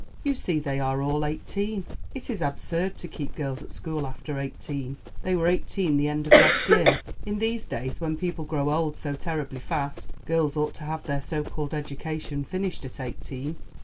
You see, they are all eighteen. It is absurd to keep girls at school after eighteen. They were eighteen the end of last year. In these days, when people grow old so terribly fast, girls ought to have their so called education finished at eighteen."